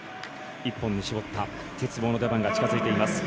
一本に絞った鉄棒の出番が近づいています。